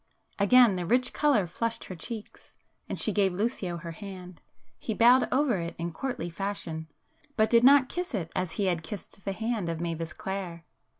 Again the rich colour flushed her cheeks, and she gave Lucio her hand. He bowed over it in courtly fashion,—but did not kiss it as he had kissed the hand of Mavis Clare.